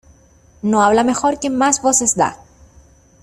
No habla mejor quien más voces da.